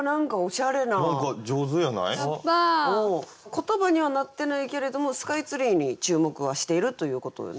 言葉にはなってないけれどもスカイツリーに注目はしているということよね。